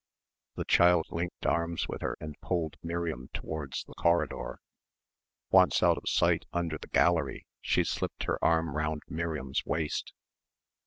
The child linked arms with her and pulled Miriam towards the corridor. Once out of sight under the gallery she slipped her arm round Miriam's waist.